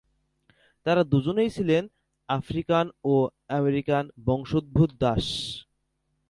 তারা দুজনেই ছিলেন, আফ্রিকান ও আমেরিকান বংশদ্ভুত দাস।